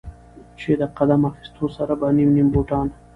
چې د قدم اخيستو سره به نيم نيم بوټان